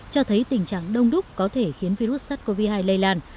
cho thấy tình trạng đông đúc có thể khiến virus sars cov hai lây lan